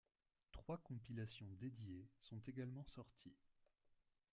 Trois compilations dédiées sont également sorties.